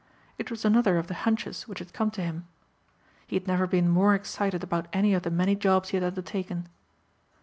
It was another of the "hunches" which had come to him. He had never been more excited about any of the many jobs he had undertaken.